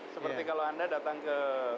seperti kalau anda datang ke